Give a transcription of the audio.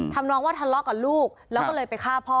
น้องว่าทะเลาะกับลูกแล้วก็เลยไปฆ่าพ่อ